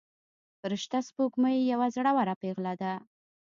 فرشته سپوږمۍ یوه زړوره پيغله ده.